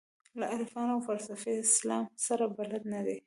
له عرفاني او فلسفي اسلام سره بلد نه دي.